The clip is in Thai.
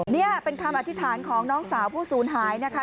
นี่เป็นคำอธิษฐานของน้องสาวผู้ศูนย์หายนะคะ